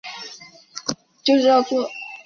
科松河畔瓦讷人口变化图示